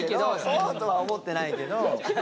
そうとは思ってないけど。